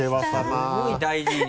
すごい大事に。